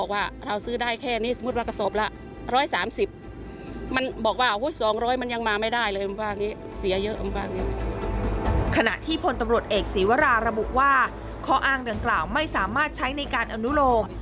ว่าข้ออ้างดังกล่าวไม่สามารถใช้ในการอนุโลก